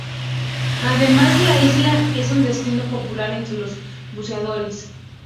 Además, la isla es un destino popular entre los buceadores.